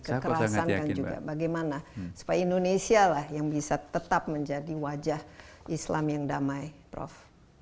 kekerasan kan juga bagaimana supaya indonesia lah yang bisa tetap menjadi wajah islam yang damai prof